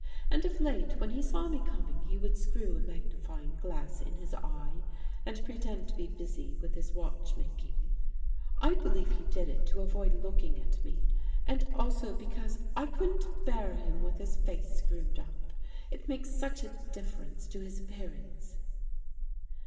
And of late, when he saw me coming, he would screw a magnifying glass in his eye and pretend to be busy with his watch making. I believe he did it to avoid looking at me, and also because he knew I couldn't bear him with his face screwed up. It makes such a difference to his appearance."